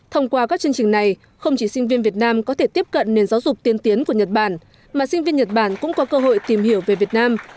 thông qua các chương trình này không chỉ sinh viên việt nam có thể tiếp cận nền giáo dục tiên tiến của nhật bản mà sinh viên nhật bản cũng có cơ hội tìm hiểu về việt nam